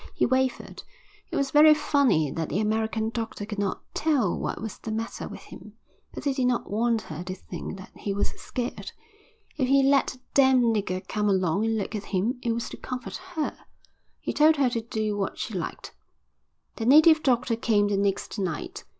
He wavered. It was very funny that the American doctor could not tell what was the matter with him. But he did not want her to think that he was scared. If he let a damned nigger come along and look at him, it was to comfort her. He told her to do what she liked. The native doctor came the next night.